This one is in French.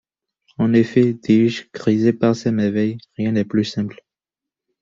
En effet, dis-je, grisé par ces merveilles, rien n’est plus simple !